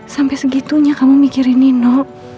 sampai segitunya kamu mikirin nino